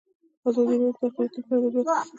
ازادي راډیو د اقلیتونه په اړه د عبرت کیسې خبر کړي.